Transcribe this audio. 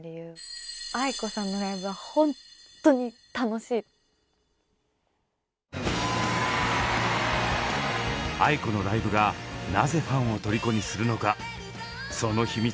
ａｉｋｏのライブがなぜファンをとりこにするのかその秘密は？